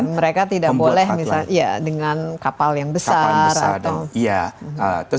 mereka tidak boleh dengan kapal yang besar